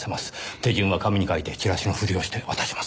手順は紙に書いてチラシのふりをして渡します。